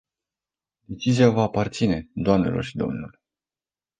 Decizia vă aparține, doamnelor și domnilor.